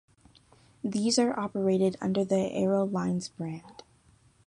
These are operated under the Eurolines brand.